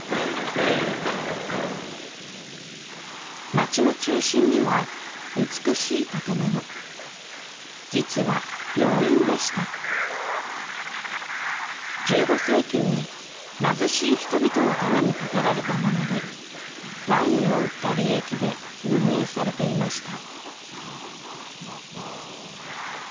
街の中心には美しい建物じつは病院でした１５世紀に貧しい人々のために建てられたものでワインを売った利益で運営されていました